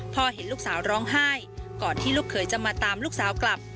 เห็นลูกสาวร้องไห้ก่อนที่ลูกเขยจะมาตามลูกสาวกลับ